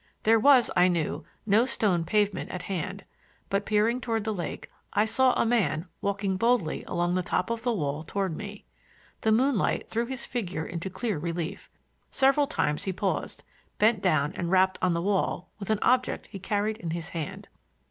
There was, I knew, no stone pavement at hand, but peering toward the lake I saw a man walking boldly along the top of the wall toward me. The moonlight threw his figure into clear relief. Several times he paused, bent down and rapped upon the wall with an object he carried in his hand.